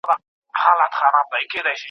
ما خو درته وې د سوځېدو خبرې نورې دي